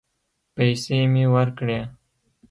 پيسې مې ورکړې.